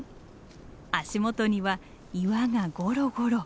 足元には岩がゴロゴロ。